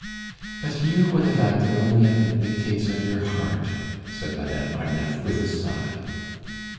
"But you would have acted only at the dictates of your heart," said Madame Marneffe, with a sigh.